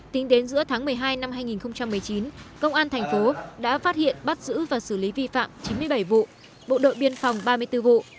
tính đến giữa tháng một mươi hai năm hai nghìn một mươi chín công an thành phố đã phát hiện bắt giữ và xử lý vi phạm chín mươi bảy vụ bộ đội biên phòng ba mươi bốn vụ